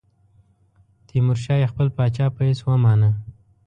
تیمورشاه یې خپل پاچا په حیث ومانه.